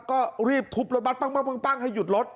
ก็รีบทุบรถบัสปั้งปั้งปั้งปั้งปั้งให้หยุดรถ